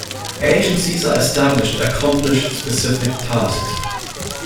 Agencies are established to accomplish specific tasks.